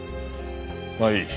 まあいい。